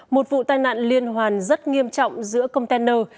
một vụ tai nạn liên hoàn rất nghiêm trọng giữa container